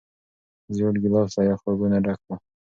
زېړ ګیلاس له یخو اوبو نه ډک و.